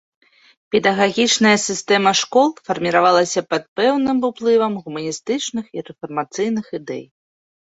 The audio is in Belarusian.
Педагагічная сістэма школ фарміравалася пад пэўным уплывам гуманістычных і рэфармацыйных ідэй.